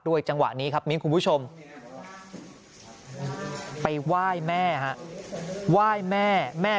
จังหวะนี้ครับมิ้นคุณผู้ชมไปไหว้แม่ฮะไหว้แม่แม่